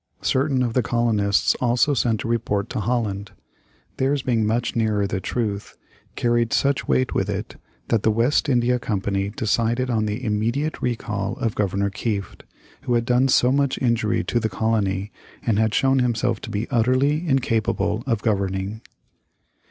Certain of the colonists also sent a report to Holland. Theirs being much nearer the truth, carried such weight with it, that the West India Company decided on the immediate recall of Governor Kieft, who had done so much injury to the colony, and had shown himself to be utterly incapable of governing.